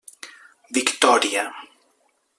Victòria.